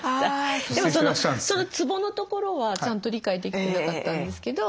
でもそのツボのところはちゃんと理解できてなかったんですけど。